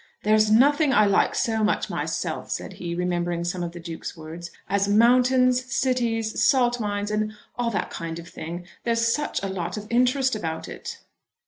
"There's nothing I like so much myself," said he, remembering some of the Duke's words, "as mountains, cities, salt mines, and all that kind of thing. There's such a lot of interest about it."